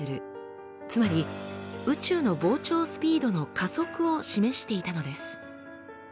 つまり宇宙の膨張スピードの加速を示していたのです。